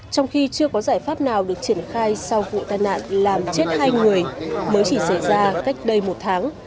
trong khi chưa có giải pháp nào được triển khai sau vụ tai nạn làm chết hai người mới chỉ xảy ra cách đây một tháng